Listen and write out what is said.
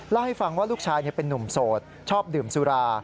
เล่าให้ฟังว่าลูกชายเป็นนุ่มโสดชอบดื่มสุรา